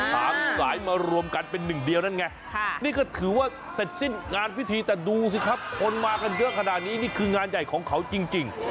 สามสายมารวมกันเป็นหนึ่งเดียวนั่นไงนี่ก็ถือว่าเสร็จสิ้นงานพิธีแต่ดูสิครับคนมากันเยอะขนาดนี้นี่คืองานใหญ่ของเขาจริง